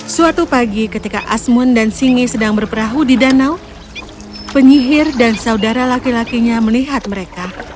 suatu pagi ketika asmun dan singi sedang berperahu di danau penyihir dan saudara laki lakinya melihat mereka